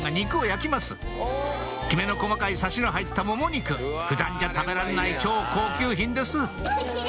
きめの細かいサシの入ったもも肉普段じゃ食べられない超高級品です